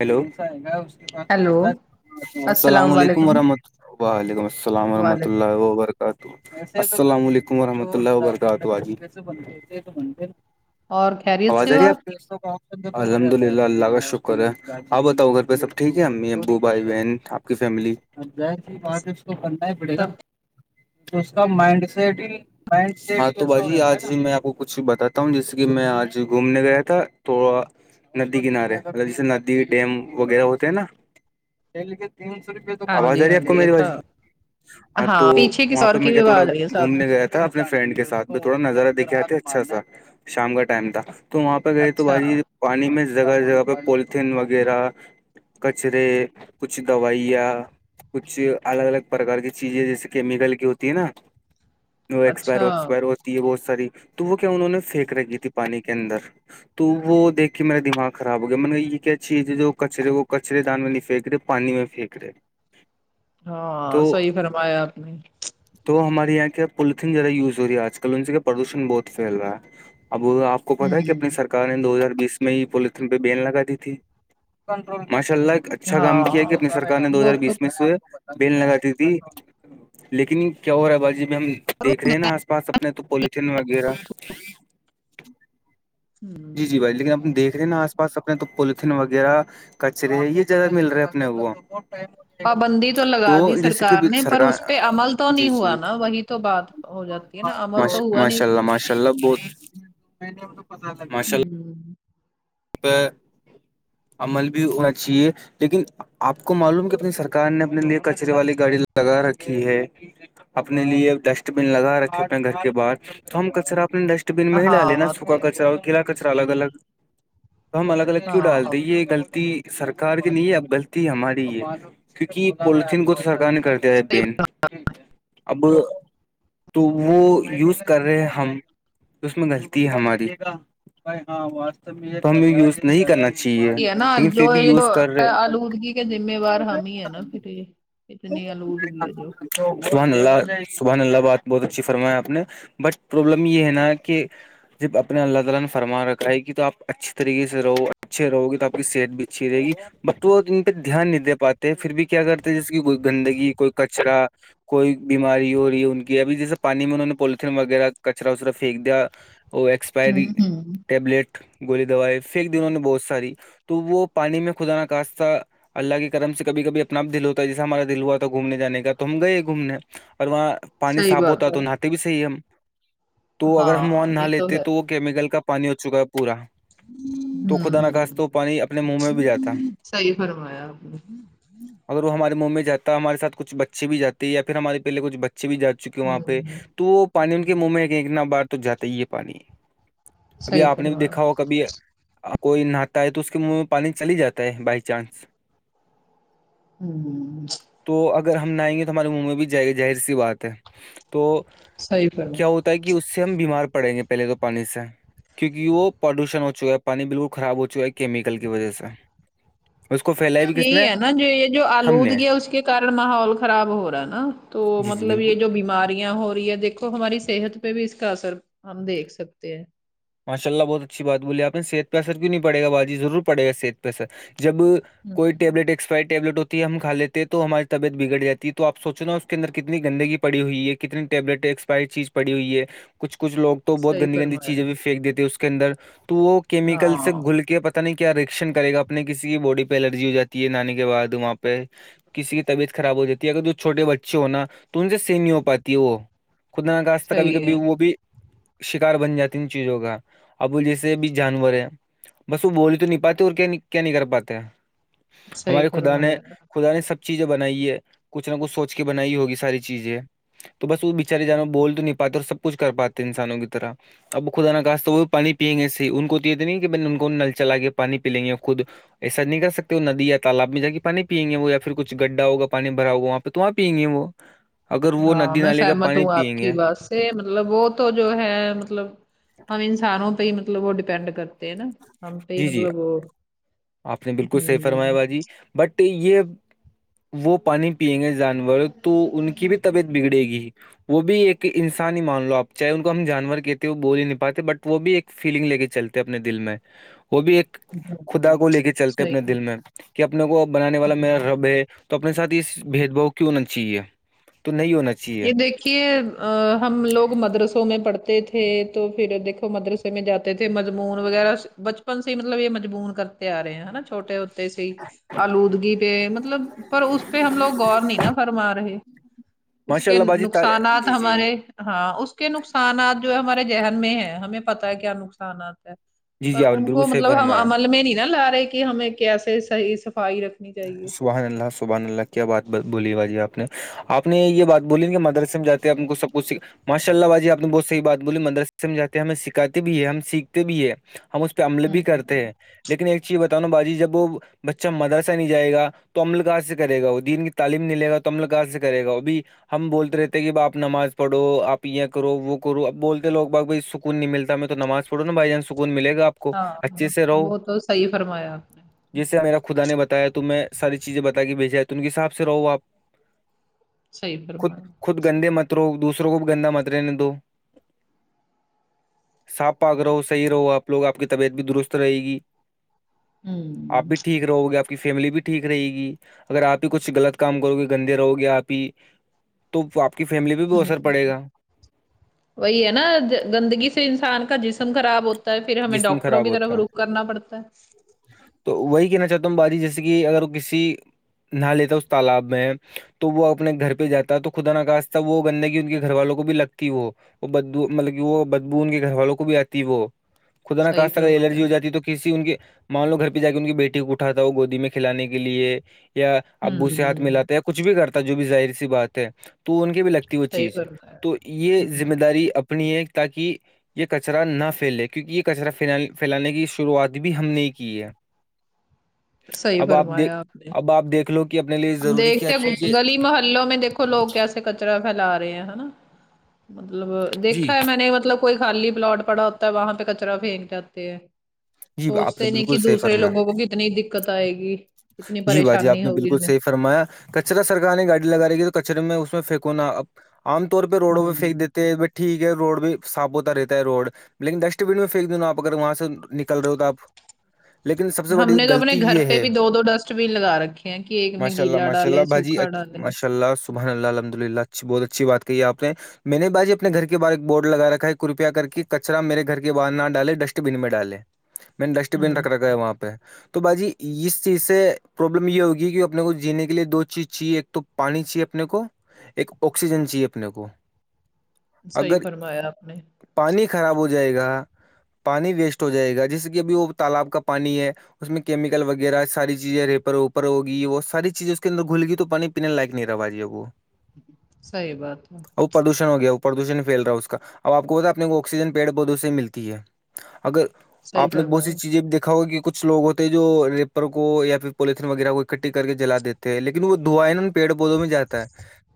Hello hello السلام علیکم ورحمۃ اللہ و علیکم السلام ورحمۃ وعلیکم اللہ و برکاتہ السلام علیکم وورحمۃ اللہ وبرکاتہ جی اور خیریت آواز سے آ ہو رہی آپ کی الحمد للہ اللہ کا شکر ہے آپ بتاؤ گھر پہ سب ٹھیک ہے امی ابو بھائی بہن آپ کی فیملی اب جس کی بات ہے اس کو بننا ہی پڑے گا سب تو اس کا مائنڈ سیٹ ہی ہاں تو باجی آج ہی میں آپ کو کچھ بتاتا ہوں جیسے کہ میں آج گھومنے گیا تھا تو ندی کنارے مطل جیسے ندی ڈیم وغیرہ ہوتے ہیں تین سو روپے ہاں آواز آ جی رہی ہے ہاں آپ کو جی میری اچھا آواز ہاں تو پیچھے کسی وہاں اور پہ کی میں بھی کیا تھوڑا آواز آ رہی ہے ساتھ گھومنے میں گیا تھا اپنے فرینڈ کے ساتھ بھی تھوڑا نظارہ دکھے آتے اچھا سا شام کا ٹائم تھا تو وہاں پہ گئے تو اچھا باجی پانی میں جگہ جگہ پہ پولیتھین وغیرہ کچرے کچھ دوائیا کچھ الگ الگ پرکار کی چیزیں جیسے کیمیکل کی ہوتی ہے نا وہ ایکسپائر اچھا وسپائر ہوتی ہے بہت ساری تو وہ کیا انہوں نے پھینک رکھی تھی پانی کے اندر تو وہ دیک کے میرا دماغ خراب گیا میں نے کو یہ کیا چیز ہے جو کچرے وہ کچرے دان میں نہیں پنک رہے پانی میں پھییک رہے ہاں تو صحیح فرمایا آپ نے تو ہمارے یہاں کیا پولیتنرا یوز ہو رہی ہے آج کل ان سے پردوشن بہت فھیل رہا ہے اب آپ کو پتا کہ اپنی ہوں سرار نے دو ہزار بیس میں ہی پولیتن پہ بین لگا دی تھی ماشاء اللہ اچھا ہاں کام کیا کہ اپنی سرار نے دو وہ ہزار تو بیس میں سےئے بیل لگاتی تھی لیکن کیا ہو رہا ہے باجی میں ہم دیکھ رہے ہیں نا آس پاسب نہیں تو پالتن وغیرہ ہوں جی جی بھائی لیکن ہم دیک رہے نا آ پاس اپنے تو پولیتھین وغیرہ کچرے یہ جگہ مل رہے اپنے کو پابندی تو لگا دی سرکار نے پر سرکار اس پہ عمل تو جی نہیں جی ہوا نا وہی تو بات ہو جاتی ہے نا عمل تو ہوا نہیں ماشاء اس اللہ پہ ماشاء اللہ بہت ماشاء اللہ ہوں عمل بھی ہو اچھی ہے لیکن آپ کو معلوم کہ اپنی سرکار نے اپنے لیے کچرے والی گاڑی لگا رکھی ہے اپنے لیے ڈسٹ بین لگا رکھے اپنے گھر کے باہر تو ہم کچرا اپنے ڈسٹ مل نہ ہاں سکا کچرا کلا کچر الگ الگ تو ہم الگ الگ کیوں ڈال ہاں دیہ غلطی سرار کی نہیں ہے اب غلطی ہماری ہے کیونکہ پولیتن کو تو سرار نے کرتی صحیح بین اب تو وہ یوز کر رہے ہم اس میں غلط ہے ہماریاں و میں [inaudible] تو ہمیں یوز نہیں کرنا چاہیے ہے نا لیکن جو پھر بھی یہ جو یوز کر رہے آلودگی کے ذمہ وار ہم ہی ہے نا پھر اتنی لوٹ گئییا سبحان اللہ سبحن اللہ بات بہت اچھی فرمایا آپ نے بٹ پرابلم یہ ہے نا کہ جب اپنے اللہ تعالی نے فرما رکھاائے گی تو آپ اچھی طریقے سے رہو اچھے رہوی تو آپ کی سیٹ بھی اچھی رہے گی بٹ تو ان پہ دھیان نہیں دے پاتے پھر بھی کیا کرتے جیسے کہ کوئی گندگی کوئی کچرا کوئی بیماری ہو رہی ہے ان کی ابھی جیسے پانی میں انہوں نے پولیتھین وغیرہ کچرا وچرا پھینک دیا اور ہوں ایکسپائری ہوں ٹیبلیٹ گولی دوائی فیک دنوں نے بہت ساری تو وہ پانی میں خدا نخاستہ اللہ کی کرم سے کبھی کبھی اپناپ دل ہوتا ہے جیسے ہمارا دل ہوا تھا گھوم جانے کا تو ہم گئے گھومنے اور وہاں پانی صحیح صاف ہوتا بات ہے تو نہاتے بھی صحی ہے ہم تو اگر ہم وہاں ہاں نہا یہ لیتے ہے تو کیمیکل کا پانی ہو چکا ہے پورا تو خدا نقواست ہوں و پانی اپنے منہ میں بھی جاتا صحیح فرمایا آپ نے اگر وہ ہمارے مومممی جات ہے ہمارے سات کچھ بچے بھیاتے یاھر ہمار پہلے کچ بچے بھی جاتے چکے وہاں پہ ہوں تو وہ پانی ان کے منہ میں کہ اتنا بار تو جاتا ہی ہے پانی ابھی صحیح آپ نے بھی فرمایا دیکھا ہوگا کبھی کوئی نہاتا ہے تو اس کے منہ میں پانی چل ہی جاتا ہے بائی چانس ہوں ہ ہ [inaudible] تو اگر ہم نہ آئیں گے تو ہمارے منہ میں بھی اہر سی بات ہے تو صحیح کیا فرمایا ہوتا کہ اس سے ہم بیمار پڑیں گے پہلے تو پانی سے کیونکہ وہ پدوشن ہو چکا ہے پانی بالکل خراب ہو چکا ہے کیمیکل کی وجہ سے اس کو پھیل یہی ہے نا جو یہ جو آلود گیا اس کے کن ماحول خراب ہو رہا ہے نا تو جی جی مطلب یہ بالکل جو بیماریاں ہو رہی ہے د دیکھو ہماری صحت پہ بھی اس کا اثر ہم دیکھ سکتے ہیں ماشاء اللہ بہت اچھی بات بوللی آپ صحت پہر کیوں نہیں پڑے گاجی ر پڑے گا صح پہثر جب کوئی ٹبلٹ ہوں ایکسپائر ٹیبلٹ ہو ہم کا لیتے تو ہماری طبیعت بگڑ جاتی ہے توپ سوچو نا اس کے اندر کتنی گندگی پڑی ہوئی ہے کتنی ٹیبلیٹس چیز پڑی ہوئی ہے کچھ کچھ لوگ تو بہت صحیح گندی گندی فرمایا چیزیں بھی پھین دیتی ہے اس کے اندر تو وہ کیمیکل سے ہاں گل کے پ پ نہیں کیا آشن کرے گا اپنے کسی کی باڈی پہ الرجی ہو جاتی ہے نانی کے بعد وہاں پہ کسی کی طبیعت خراب ہواتی ہے اگر تو چھوٹے بچے ہو نا تو ان سے سیح نہیں ہو پاتی ہے وہ خد نکاست کبھی صحیح ہے کبھی وہ بھی شکار بن جاتی چیز ہوگا اب وہ جیسے بھی جانور ہے بس وہ بول تو نہیں پاتے اور کیا کیا نہیں کر پاتے صحیح ہمارے خدا نے فرمایا خدا نے سب چیزیں بنائی ہے کچھ نہ کچھ سوچ کے بنائی ہوگی ساری چیزیں تو بس وہ بےچارے جانور بول تو نہیں پاتے اور سب کچھ کر پاتے انسانوں کی طرح اب خدا ن کہا تو وہ بھی پانی پئیں گے صح ان کو تو یہ تو نہیں کہ ب ان کو نل چلا کے پانی پی لیں گے خود ایسا نہیں کر سکتے وہ ند تالاب میں جا کے پانی پئ گے وہ یا پھر کچھ گڈھا ہوگا پانی بھرا ہوگا وہاں پہ تو وہاں پئیں گے وہ اگر وہ ہاں ندی میں نالے کا سہمت پانی ہوں آپ پیئیں گے کی بات سے مطلب وہ تو جو ہے مطلب ہم انسانوں پہ ہی مطلب وہ ڈیپینڈ کر نا ہم پہ ہی جی جی مطلب وہ آپ نے بالکل صحیح ہ فرمایا [inaudible] باجی بٹ یہ [inaudible] وہ پانی پیئیں گے جانور تو ان کی بھی طبیعت بگڑے گی وہ بھی ایک انسانی ہی مان لو آپ چاہے ان کو ہم جانور کہتے ہو بول ہی نہیں پاتے بٹ وہ بھی ایک فیلنگ لے کے چلتے اپنے دل میں وہ بھی ایک خدا ہوں، کو لے کے چلتے صحیح اپنے ہوں۔ دل میں کہ اپنے کو بنانے والا میرا رب ہے تو اپنے ساتھ یہ بھید بھؤ کیوں ہونا چاہیے تو نہیں ہونا چاہیے یہ ہم لوگ مدرسوں میں پڑھتے تھے تو پھر دیکھو مدرس میں جاتے تھے مجمون وغیرہ بچپن سے ہی مطلب یہ مجمون کرتے آ رہے ہیں نا چھوٹے آلودگی پہ مطلب پر اس پہ ہم لوگ غور نہیں نا فرما رہے اس ماشاء کے اللہ باجی تا- نقصانات جی جی ہمارے ہاں اس کے نقصانات جو ہے ہمارے ذہن میں ہے ہمیں پت ہے کیا نقصانات ہے جی پر جی آپ نے ان کو بالکل صحیح مطلب ہم فرمایا عمل میں نہیں نا لا رہے کہ ہمیں کیسے صحی صفائی رکھ سبحان اللہ سبحان اللہ کیا بات بولی باجی آپ نے آپ نے یہ بات بولی ن کہ مدرسے میں جاتے ہیں آ کو سب کھ سھ ماشاء اللہ باجی آپ نے بہت صحی بات بولی مرس سے میں جاتے ہیں ہمیں سکھاتے بھی ہے ہم سیکھتے بھی ہیں ہم اس پہ عمل بھی ہوں ہوں کرتے ہیں لیکن ایک چیز بتانا باجی جب وہ بچہ مدر ا نہیں جائے گا تو املکار سے کرے گا وہ دین کی تعلیم نہیں لے گا تو املکار سے کرے گا وہبھی ہم بولتے رہتے ہیں کہ اب آپ نماز پڑھو آپ یہ کرو وہ کرو اب بولتے لو باب نہیں ملتا میں تو نماز پڑو نا بھائی جان سکون ملے گا آپ کو ہاں اچھے وہ تو صحیح فرمایا نے ہوں، جسے میرا خدا نے بتا تا ہے تو میں ساری چیزیں بتا کے بھیجا ہے تو ان کے حساب سے رہو آپ صحیح خود فرمایا خود گندے مت رہو دوسروں کو بھی گندا مت رہنے دو صاف پاک رہو صحیح رہو آپ لوگ آپ کی طبیعت بھی درست رہے گی آپ ہوں بھی ٹھیک رہو گے کی فیملی بھی ٹھیک رہے گی اگر آپ ہی کچھ غلط کام کرو گے گندے رہو گے آپ ہی تو آپ کی فیملی بھی بھی ہوں اثر پڑے گا وہی ہے نا گندگی سے انسان کا جسم خراب ہوتا پھر ہمیں جسم ڈاکٹروں خراب کی طرف ہوتا ہے روخ کرنا پڑتا ہے تو وہی کہنا چاہتا ہوں باجی جیسے کہ اگر کسی نہا لیتا ہے اس تالاب میں تو وہ اپنے گھر پہ جاتا ہے تو خدا نقاستتا وہ گندگی ان کے گھر والوں کو بھی لگتا وہ وہ بدھبو مطلب کہ وہ بدھبو ان کے گھر والوں کو بھی آتی وہ خدا نہ صحیح خواستہ اگر فرمایا الرجی ہو جاتی تو کسی ان کے مان لو گھر پہ جا کے ان کی بیٹی کو اٹھاتا وہ گودی میں کھانے کے لیے یا ابو سے ہاتھ ہوں ملاتا ہے کچھ بھی کرتا جو بھی ظاہر سی بات ہے تو ان کے بھی لگ تی وہ صحیح چیز فرمایا تو یہ ہوں ذمہ داری اپنی ہے تاکہ یہ کچرا نہ پھیلے کیونکہ یہ کچرا پھیلانے کی شروعات بھی ہم نے کی ہے صحیح اب دیکھ فرمایا آپ نے اب آپ دیکھ لو کہ اپنے لی ہم دیکھتے گلی محلوں میں دیکھ لوگ کیسے کچرا پھیلا رہے ہیں نا مطلب جی دیکھا ہے میں نے مطلب کوئی خالی پلاٹ پڑا ہوتا ہے وہاں پہ کچرا پھینک جاتے ہے جی آپ نے سوچتے نہیں کہ بالکل صحیح دوسرے فرمایا لوگوں کو کتنی دقت آئے گی کتنی جی باجی آپ پریشانی نے ہوگی بالکل انہیں صحیح فرمایا کچرا سرار نے گاڑی لگا رہی تھی تو کچرے میں اس میں پھینکوناا عام طور پہ روڈوں پنیک ہوں دیتے ہیں بٹ ٹھیک ہے روڈ بھی صاف ہوتا رہتا ہے روڈ لیکن ڈسٹ بین میں پھینک دینا آپ اگر وہاں سے نکل رہے ہو تو آپ لیکن سب سے ہم بڑی نے تو اپنے غلطی گھر یہ پہ ہے بھی دو دو ڈسٹ بین لگا رکھے ہیں کہ ایک میں ماشاء اللہ گیلا ماشاء اللہ ڈالے باجی سوکھا ڈالے ماشاء اللہ صبحان اللہ الحمد للہ اچھی بہت اچھی بات کہی آپ نے میں نے باجی اپنے گھر کے باہر ایک بورڈ لگا رکھا ہے کرپیا کر کے کچرا میرے گھر کے باہر نہ ڈالے ڈسٹ بین میں ڈالے میں نے ڈسٹ بین ہوں رکھ رکھا ہے وہاں پہ تو باجی اس چیز سے پروابلم یہ ہوگی کہ اپنے کو جینے کے لیے دو چیز چاہیے ایک تو پانی چاہے اپنے کو ایک آکسیجن چاہیے اپنے کو صحیح اگر فرمایا آپ نے پانی خراب ہو جائے گا پانی ویسٹ ہو جائے گا جیسے کہ اب وہ تالاب کا پانی ہے اس میں کیمیکل وغیرہ ساری چیزیں ریپر اوپر ہوگی وہ ساری چیزیں اس کے اندر گھل گی تو پانی پینے لائق نہیں رہا اب باجی وہ صحیح بات ہے وہ پردوشن ہو گیا وہ پردوشن پھیل رہا ہے اس کا اب آ کو پتا اپنے کو آکسیجن پڑ پودوں سے ملتی ہے اگر صحیح آپ نے بہت فرمایا سی چیزیں بھی دیکھا ہوگا کہ کچھ لوگ ہوتے ہیں جو کو یا پھر پلیتھین وغیرہ کو اکٹھی کر کے جلا دیتے ہیں لیکن وہ دھوئے نا پیڑ پودوں میں جاتا ہے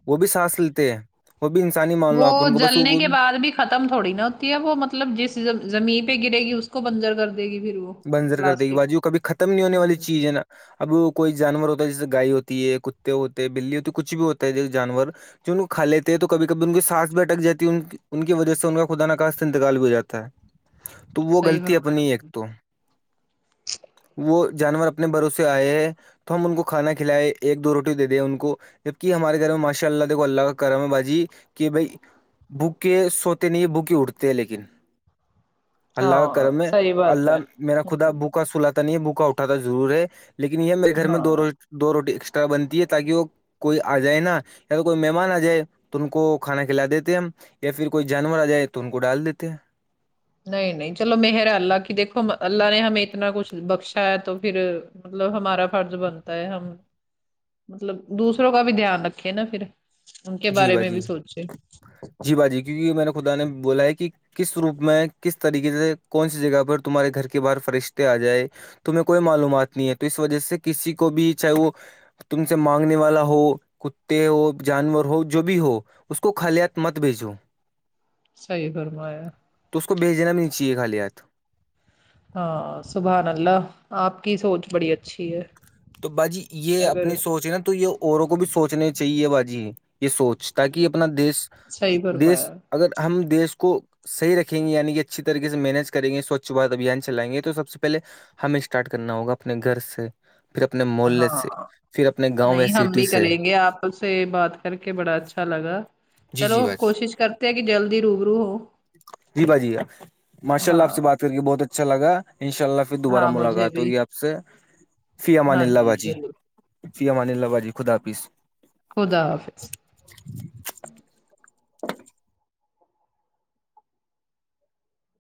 وہ بھی سانس لیتے ہیں وہ بھی انسانی مان لو وہ آپ ان کو بس وہ جلنے وہ کے بھی بعد ختم تھوڑی نہ ہوتی ہے وہ مطلب جس زمین پہ گرے گی اس کو بنجر کر دے گی پھر وہ بنجر کر دے گی پلاسٹک باجی کبھی ختم نہیں ہونے والی ہوں چیز ہے نا اب کوئی جانور ہوتا ہے جیسے گائے ہوتی ہے کتے ہوتے ہیں بلی ہوتی ہے کچھ بھی ہوتا ہے جانور جو ان کو کھا لیتے ہیں تو کبھی کبھی ان کی سانس بھیھٹک جات ہے ان کی ان کی وجہ سے ان کا خدا ن کااش سے انتقال بھی ہو جاتا ہے [inaudible] تو وہ غلط فرمایا اپنی ایک آپ نے تو وہ جانور اپنے بھروسے آئے ہیں تو ہم ان کو کھانا کھلائے ایک دو روٹی دے دیں ان کو جبکہ ہمارے گھر میں ماشاء اللہ دیک اللہ کا کرا ہے باجی کہ بھائی بھوکے سوتے نہیں ہے بھوکے اٹھتے ہیں لیکن اللہ کا ہاں کرم ہے صحیح بات ہے میرا خدا ہوں بوکا سلاتا نہیں بوکا اٹاتا ضرور ہے لیکن یہ میرے گھر میں دو ہاں روز دو روٹی ایکسٹرا بنتی ہے تاکہ وہ کوئی آ جائے نا یا تو کوئی مہمان آ جائے تو ان کو کھانا کھلا دیتے ہم یا پھر کوئی جانور آ جائے تو ان کو ڈال دیتے ہیں نہیں نہیں چلو مہر اللہ کی دیکھو اللہ نے ہمیں اتنا کچھ بخشایا تو پھر مطلب ہمارا فرض بنتا ہے ہم مطلب دوسروں کا بھی دھیان رکھے نا پھر ان کے جی بارے میں باجی بھی سوچے جی باجی کیونکہ میں نے خدا نے بولا ہے کہ کس روپ میں کس طریقے سے کون سی جگہ پر تمہارے گھر کے باہر فرشتے آ جائے تمہیں کوئی معلومات نہیں ہے تو اس وجہ سے کسی کو بھی چاہے وہ تم سے مانگنے والا ہو کتے ہو جانور ہو جو بھی ہو اس کو خالیات مت بھیجو صحیح فرمایا تو اس کو بھیجنا بھی نہیں چاہیے خالی ہاتھ ہاں سبحان اللہ آپ کی سوچ بڑی اچھی ہے تو باجی یہ اگر اپنی سوچ ہے نا تو یہ اوروں کو بھی سوچنا چاہیے باجی یہ سوچ تاکہ اپنا دیش صحیح دیش فرمایا اگر ہم دیش کو صیح رکھیں گے یعنی کہ اچھی طریق سے مینج کریں گے سوچواد اھبیان چلائیں گے تو سب سے پہلے ہمیں اسٹارٹ کرنا ہوگا اپنے گھر سے پھر اپنے محلے سے ہاں پھر اپنے گاؤں یا نہیں ہم سٹی بھی سے کریں گے آپ اس سے بات کر کے بڑا اچھا لگا جی چلو جی باجی کوشش کرتے ہیں کہ جلدی روبرو ہو جی با جی ماشاء اللہ آپ ہاں سے بات کرکے بہت اچھا لگا ان شاء اللہ پھر دوبارہ ہاں مجھے ملاقات بھی ہوگی آپ سے فی امان ہاں اللہ جی باجی ضرور فی امان اللہ باجی خدا حافظ خدا حافظ